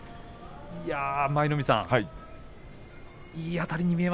舞の海さん錦